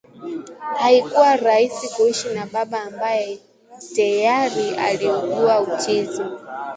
Haikuwa rahisi kuishi na baba ambaye teyari aliugua uchizi